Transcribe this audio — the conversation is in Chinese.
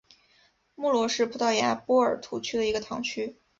穆罗是葡萄牙波尔图区的一个堂区。